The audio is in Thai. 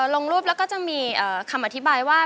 ลงรูปแล้วก็จะมีคำอธิบายว่า